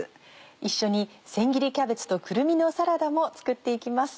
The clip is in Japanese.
一緒に「せん切りキャベツとくるみのサラダ」も作って行きます。